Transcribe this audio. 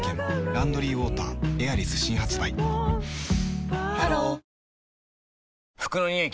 「ランドリーウォーターエアリス」新発売ハロー服のニオイ